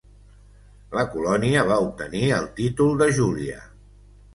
La colònia va obtenir el títol de Júlia.